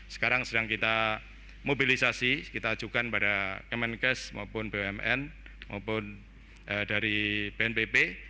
sekarang sedang kita mobilisasi kita ajukan pada kemenkes maupun bumn maupun dari bnpb